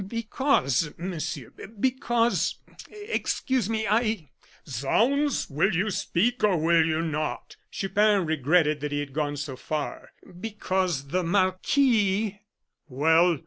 "Because, Monsieur, because excuse me I " "Zounds! will you speak, or will you not?" Chupin regretted that he had gone so far. "Because the marquis " "Well?"